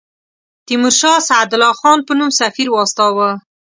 تیمورشاه سعدالله خان په نوم سفیر واستاوه.